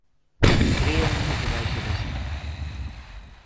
Créanme que vai ser así.